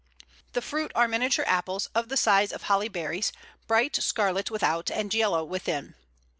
The fruit are miniature apples, of the size of holly berries, bright scarlet without and yellow within.